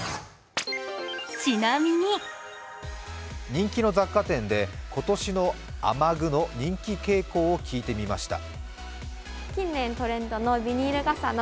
人気の雑貨店で今年の雨具の人気傾向を聞いてみました。